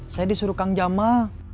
saya disuruh kangjama